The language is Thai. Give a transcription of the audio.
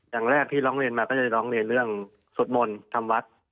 อย่างแรกที่ร้องเรียนมาก็จะร้องเรียนเรื่องสวดมนต์ทำวัด